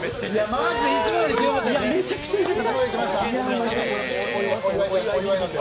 マジ、いつもよりひどかったですね。